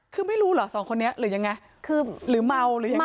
คือไม่รู้เหรอสองคนนี้หรือยังไงคือหรือเมาหรือยังไง